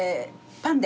パンで。